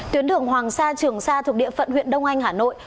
tuyến đường hoàng sa trường sa thuộc địa phận huyện đông anh hà nội